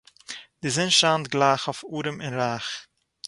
די זון שײַנט גלײַך אויף אָרעם און רײַך.